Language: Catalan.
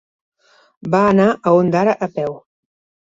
Va anar a Ondara a peu.